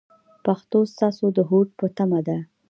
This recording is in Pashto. پښتو ستاسو د هوډ په تمه ده.